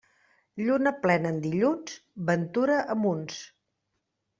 Lluna plena en dilluns, ventura a munts.